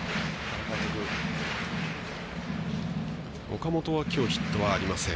岡本はきょうヒットはありません。